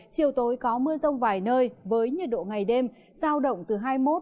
chiều tối có mưa rông vài nơi với nhiệt độ ngày đêm giao động từ hai mươi một đến ba mươi ba độ